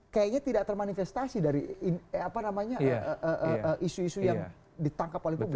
kayaknya tidak termanifestasi dari isu isu yang ditangkap oleh publik